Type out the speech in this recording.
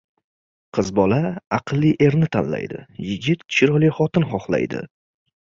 • Qiz bola aqlli erni tanlaydi, yigit chiroyli xotin xohlaydi.